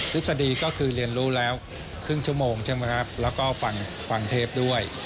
ฤษฎีก็คือเรียนรู้แล้วครึ่งชั่วโมงใช่ไหมครับแล้วก็ฟังเทพด้วย